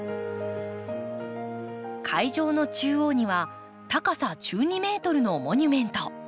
会場の中央には高さ１２ｍのモニュメント。